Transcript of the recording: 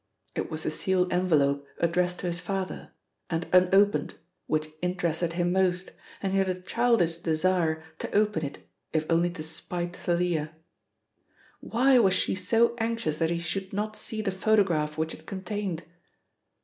It was the sealed envelope addressed to his father and unopened which interested him most, and he had a childish desire to open it if only to spite Thalia. Why was she so anxious that he should not see the photograph which it contained?